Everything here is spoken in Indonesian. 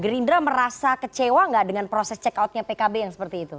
gerindra merasa kecewa nggak dengan proses check outnya pkb yang seperti itu